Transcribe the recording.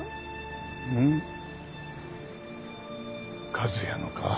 和哉のか。